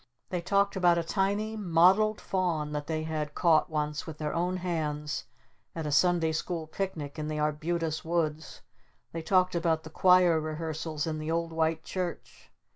They talked about a tiny mottled Fawn that they had caught once with their own hands at a Sunday School picnic in the Arbutus Woods. They talked about the choir rehearsals in the old white church.